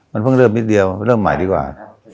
มันเพิ่งเริ่มนิดเดียวเริ่มใหม่ดีกว่า